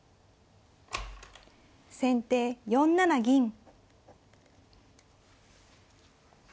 先手４七銀。